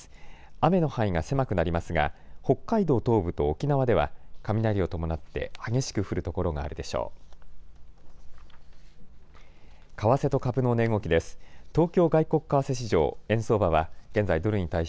雨の範囲が狭くなりますが北海道東部と沖縄では雷を伴って激しく降る所があるでしょう。